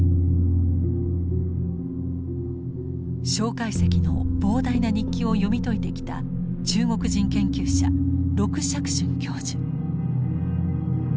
介石の膨大な日記を読み解いてきた中国人研究者鹿錫俊教授。